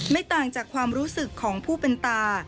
ไม่ต่างจากความรู้สึกของผู้เป็นตา